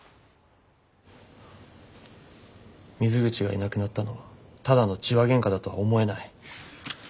水口がいなくなったのはただの痴話喧嘩だとは思えない。